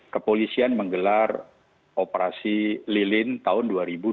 kepolisian menggelar operasi lilin tahun dua ribu dua puluh